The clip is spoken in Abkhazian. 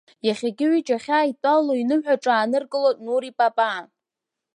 Иахьагьы ҩыџьа ахьааидтәало иныҳәаҿа ааныркылоит Нури Папаа.